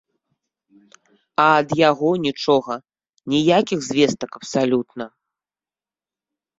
А ад яго нічога, ніякіх звестак абсалютна.